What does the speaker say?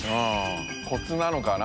コツなのかな？